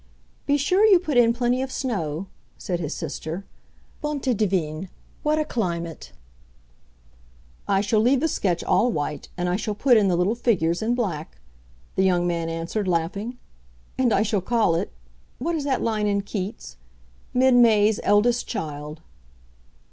"Be sure you put in plenty of snow," said his sister. "Bonté divine, what a climate!" "I shall leave the sketch all white, and I shall put in the little figures in black," the young man answered, laughing. "And I shall call it—what is that line in Keats?—Mid May's Eldest Child!"